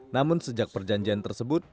namun sejak perjanjian tersebut